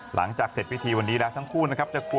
หลังจากเสร็จพิธีวันนี้แล้วทั้งคู่นะครับจะกลัว